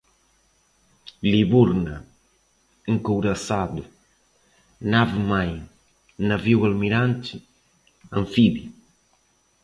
Liburna, encouraçado, nave-mãe, navio-almirante, anfíbio